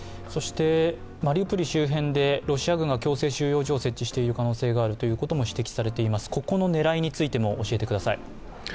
マリウポリ周辺でロシア軍が強制収容所を設置している可能性があるとも指摘されていますが、ここの狙いについても教えてください。